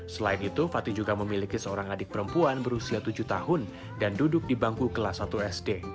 selain itu fatih juga memiliki seorang adik perempuan berusia tujuh tahun dan duduk di bangku kelas satu sd